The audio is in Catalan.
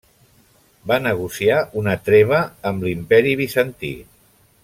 Va negociar una treva amb l'Imperi Bizantí.